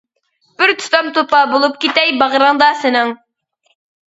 بىر تۇتام توپا بولۇپ كېتەي باغرىڭدا سېنىڭ!